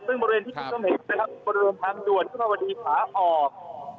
ซึ่งบริเวณที่นี่เข้าเห็นนะครับบริเวณทางจุดภาวดีขาออก